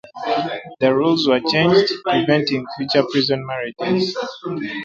The rules were changed, preventing future prison marriages.